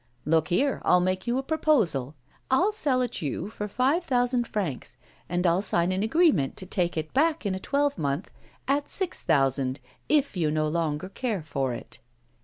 '"Look here, I'll make you a proposal; I'll sell it you for five thousand francs, and I'll sign an agreement to take it back in a twelvemonth at six thousand, if you no longer care for it."